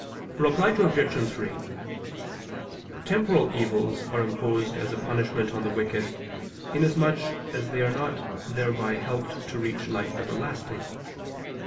Reply Obj. 3: Temporal evils are imposed as a punishment on the wicked, inasmuch as they are not thereby helped to reach life everlasting.